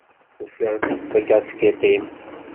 Ufiɣ takaskiṭ-im.